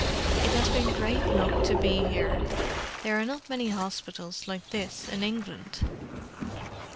"It has been great luck to be here; there are not many hospitals like this in England.